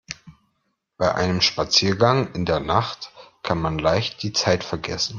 Bei einem Spaziergang in der Nacht kann man leicht die Zeit vergessen.